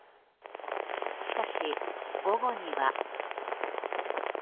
しかし、午後には。